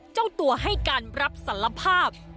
เจ้าตัวให้การรับสารภาพ